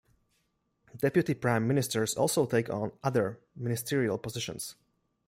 Deputy prime ministers also take on other ministerial positions.